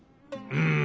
うん。